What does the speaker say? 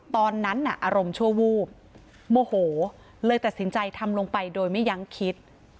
ตอนนั้นน่ะอารมณ์ชั่ววูบโมโหเลยตัดสินใจทำลงไปโดยไม่ยังคิด